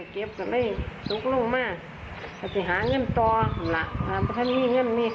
ก็ลาคนแต่ไปรู้